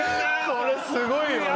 これすごいよね。